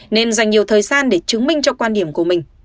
nên dành nhiều thời gian để chứng minh cho quan điểm của mình